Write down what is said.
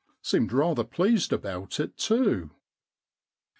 Seemed rather pleased about it, too.'